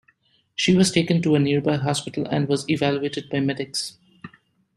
She was taken to a nearby hospital and was evaluated by medics.